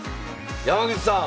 山口さん！